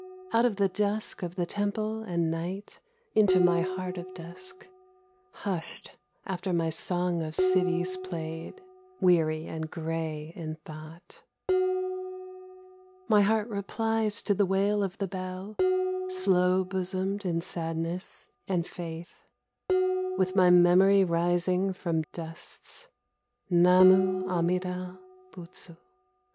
Out of the dusk of the temple and night Into my heart of dusk, Hushed after my song of cities played, Weary and grey in thought. My heart replies to the wail of the bell, Slow bosomed in sadness and faith, With my memory rising from dusts, Namu amida butsu